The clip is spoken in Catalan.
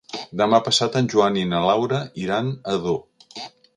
Demà passat en Joan i na Laura iran a Ador.